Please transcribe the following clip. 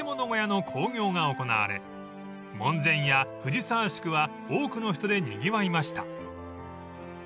小屋の興行が行われ門前や藤沢宿は多くの人でにぎわいました］